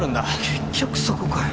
結局そこかよ。